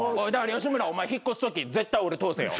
吉村お前引っ越すとき絶対俺通せよ。